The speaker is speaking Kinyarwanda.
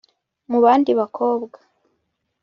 mubandi bakobwa…